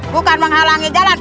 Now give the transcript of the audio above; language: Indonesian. bukan menghalangi jalan